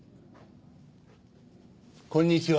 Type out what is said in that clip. こんにちは。